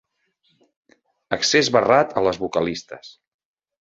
Accés barrat a les vocalistes.